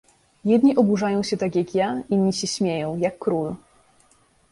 "Jedni oburzają się tak jak ja, inni się śmieją, jak król."